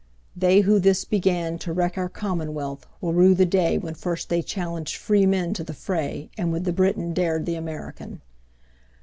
They who this wrong began To wreck our commonwealth, will rue the day When first they challenged freemen to the fray, And with the Briton dared the American.